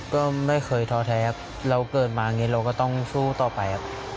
ก็ไม่เคยทะแท้เราเกิดมางี้เราก็ต้องสู้ต่อไป